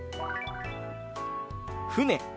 「船」。